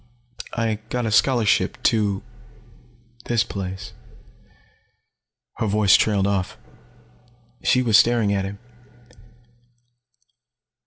I got a scholarship to this place." Her voice trailed off. She was staring at him.